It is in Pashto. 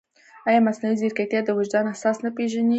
ایا مصنوعي ځیرکتیا د وجدان احساس نه پېژني؟